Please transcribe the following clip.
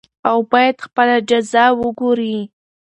او بايد خپله جزا وګوري .